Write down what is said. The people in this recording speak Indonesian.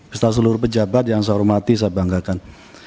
beserta seluruh pejabat yang saya hormati saya banggakan